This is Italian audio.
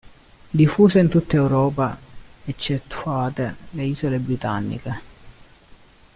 Diffuso in tutta Europa eccettuate le isole Britanniche.